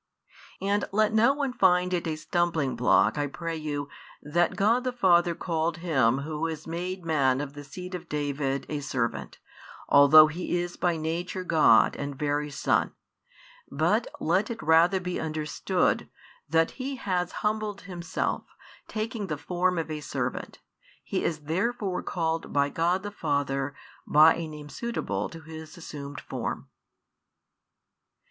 And let no one find it a stumbling block, I pray you, that God the Father called Him Who was made Man of the seed of David a servant, although He is by Nature God and Very Son; but let it rather be understood, that He has humbled Himself, taking the form of a servant. He is therefore called by God the Father by a name suitable to His assumed form.